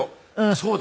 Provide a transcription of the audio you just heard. そうだ。